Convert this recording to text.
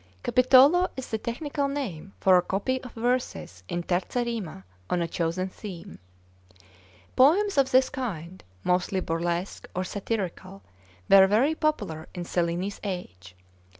Capitolo is the technical name for a copy of verses in 'terza rima' on a chosen theme. Poems of this kind, mostly burlesque or satirical, were very popular in Cellini's age.